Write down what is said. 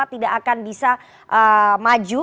tidak akan bisa maju